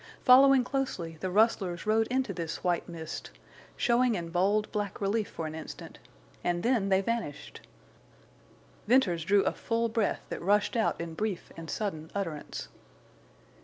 Following closely, the rustlers rode into this white mist, showing in bold black relief for an instant, and then they vanished. Venters drew a full breath that rushed out in brief and sudden utterance.